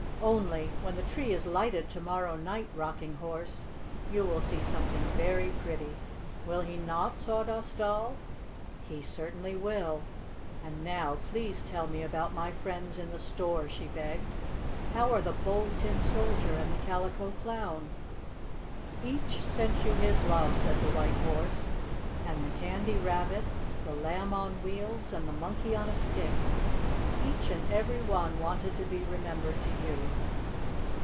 Only, when the tree is lighted to morrow night, Rocking Horse, you will see something very pretty. Will he not, Sawdust Doll?" "He certainly will! And now, please tell me about my friends in the store," she begged. "How are the Bold Tin Soldier and the Calico Clown?" "Each sent you his love," said the White Horse. "And the Candy Rabbit, the Lamb on Wheels and the Monkey on a Stick each and every one wanted to be remembered to you."